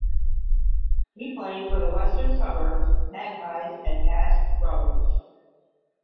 He played for the Western Suburbs Magpies and Past Brothers.